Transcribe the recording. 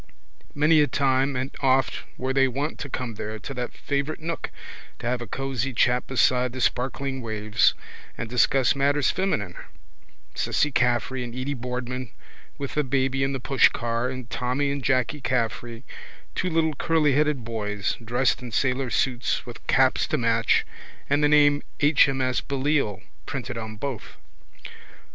Many a time and oft were they wont to come there to that favourite nook to have a cosy chat beside the sparkling waves and discuss matters feminine, Cissy Caffrey and Edy Boardman with the baby in the pushcar and Tommy and Jacky Caffrey, two little curlyheaded boys, dressed in sailor suits with caps to match and the name H. M. S. Belleisle printed on both.